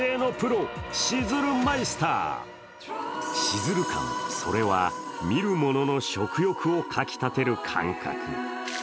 シズル感、それは見る者の食欲をかきたてる感覚。